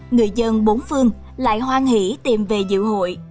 người dân bốn phương lại hoan hỷ tìm về dự hội